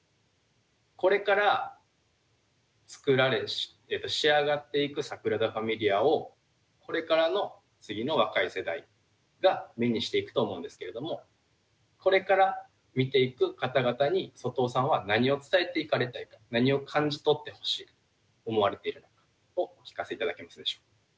これから作られ仕上がっていくサグラダ・ファミリアをこれからの次の若い世代が目にしていくと思うんですけれどもこれから見ていく方々に外尾さんは何を伝えていかれたいか何を感じ取ってほしいと思われているのかをお聞かせ頂けますでしょうか。